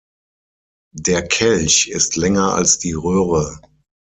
Der Kelch ist länger als die Röhre.